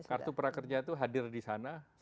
kartu prakerja itu hadir di sana